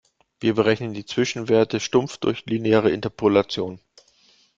Wir berechnen die Zwischenwerte stumpf durch lineare Interpolation.